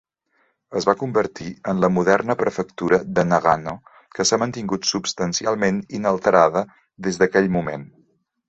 Es va convertir en la moderna prefectura de Nagano, que s'ha mantingut substancialment inalterada des d'aquell moment.